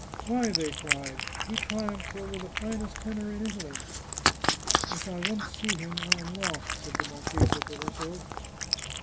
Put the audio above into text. " Why," they cried, " he triumphs over the finest tenor in Italy !"" If I once see him I am lost !" said the marchesa to herself.